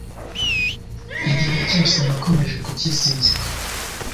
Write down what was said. igihe cyose nakomeje kukizinzika